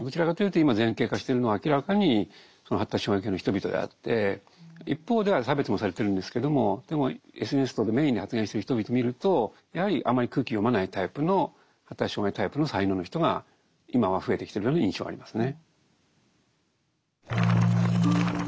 どちらかというと一方では差別もされてるんですけどもでもＳＮＳ等でメインに発言してる人々見るとやはりあんまり空気読まないタイプの発達障害タイプの才能の人が今は増えてきてるような印象がありますね。